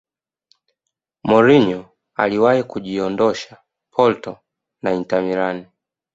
mourinho aliwahi kujiondosha porto na inter milan